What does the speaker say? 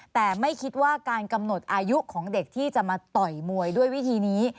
แต่ไม่คิดว่าการกำหนดอายุของเด็กที่จะมาต่อยมวยด้วยวิธีนี้